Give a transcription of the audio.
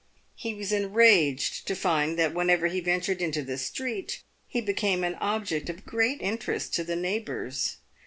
He was enraged to find that, whenever he ventured into the street, he became an object of great interest to the neighbours.